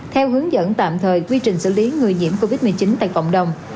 theo hướng dẫn tạm thời quy trình xử lý người nhiễm covid một mươi chín tại cộng đồng